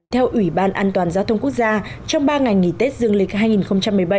theo ủy ban an toàn giao thông quốc gia trong ba ngày nghỉ tết dương lịch hai nghìn một mươi bảy